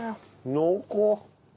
濃厚。